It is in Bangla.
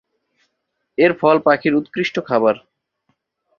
এর ফল পাখির উৎকৃষ্ট খাবার।